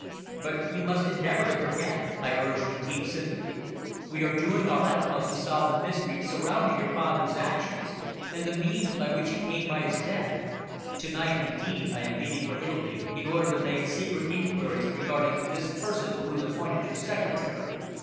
"But you must endeavour to forget," I urged with deep sympathy. "We are doing our utmost to solve the mystery surrounding your father's actions, and the means by which he came by his death. To night, indeed, I am leaving for Italy in order to make secret inquiries regarding this person who is appointed your secretary."